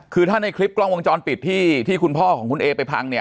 คือถ้าในคลิปกล้องวงจรปิดที่คุณพ่อของคุณเอไปพังเนี่ย